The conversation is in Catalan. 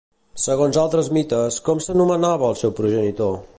Segons altres mites, com s'anomenava el seu progenitor?